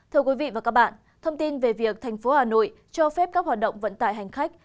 thưa quý vị và các bạn thông tin về việc thành phố hà nội cho phép các hoạt động vận tải hành khách